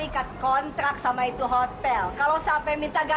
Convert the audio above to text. kamu jauhin dia